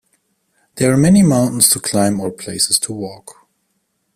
There are many mountains to climb or places to walk.